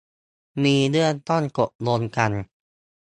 มีเรื่องต้องตกลงกัน